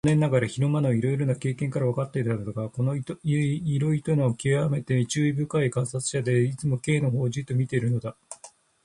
残念ながら昼間のいろいろな経験からわかっていたのだが、この糸玉がきわめて注意深い観察者であり、いつでも Ｋ のほうをじっと見ているのだ。